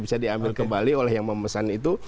bisa diambil kembali oleh yang memesan itu